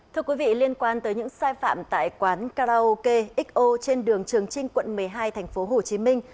thưa quý vị liên quan tới những sai phạm tại quán karaoke xo trên đường trường trinh quận một mươi hai tp hcm